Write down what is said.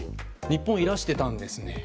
日本にいらしてたんですね。